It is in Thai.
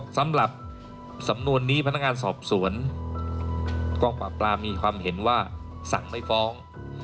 สำหรับสำนวนนี้พนักงานสอบสวนกองปราบปรามมีความเห็นว่าสั่งไม่ฟ้อง